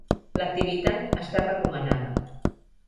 L'activitat està recomanada.